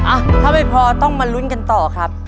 อ่ะถ้าไม่พอต้องมาลุ้นกันต่อครับ